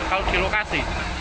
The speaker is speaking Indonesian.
kalau di lokasi